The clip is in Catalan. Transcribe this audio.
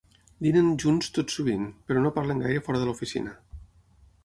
Dinen junts tot sovint, però no parlen gaire fora de l'oficina.